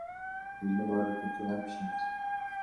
Элдин баары өкмөткө кантип ишенет?